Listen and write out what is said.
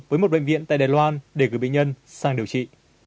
với một bệnh viện tại đài loan để gửi bệnh nhân sang điều trị